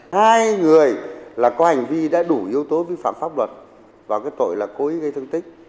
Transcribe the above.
hai người là có hành vi đã đủ yếu tố vi phạm pháp luật vào cái tội là cố ý gây thương tích